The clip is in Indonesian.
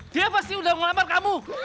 dia pasti udah melamar kamu